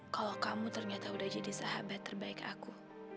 kalau kamu ternyata udah jadi sahabat terbaik aku